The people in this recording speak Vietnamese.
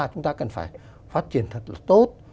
chúng ta cần phải phát triển thật là tốt